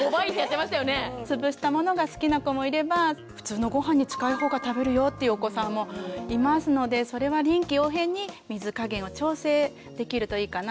つぶしたものが好きな子もいれば普通のご飯に近いほうが食べるよっていうお子さんもいますのでそれは臨機応変に水加減を調整できるといいかなと思います。